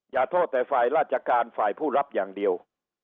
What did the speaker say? อย่าโทษแต่ฝ่ายราชการฝ่ายผู้รับอย่างเดียว